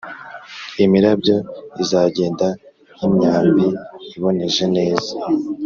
Imirabyo izagenda nk’imyambi iboneje neza,